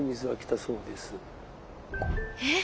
えっ！